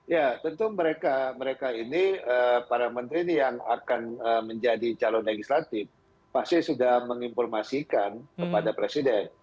ya tentu mereka mereka ini para menteri ini yang akan menjadi calon legislatif pasti sudah menginformasikan kepada presiden